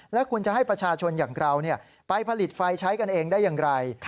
แล้วคุณจะให้ประชาชนอย่างเราไปผลิตไฟใช้กันเองได้อย่างไร